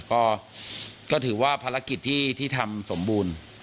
ก็ถือว่าภารกิจที่ทำสมบูรณ์